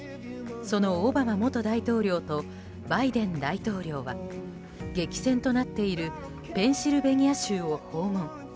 そのオバマ元大統領とバイデン大統領は激戦となっているペンシルベニア州を訪問。